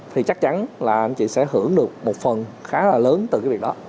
thì chắc chắn là anh chị sẽ hưởng được một phần khá là lớn từ cái việc đó